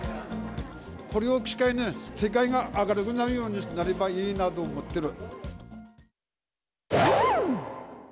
これを機会に、世界が明るくなるようになればいいなと思ってる。